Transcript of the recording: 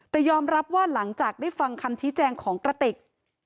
แต่ยอมรับว่าหลังจากได้ฟังคำชี้แจงของกระติก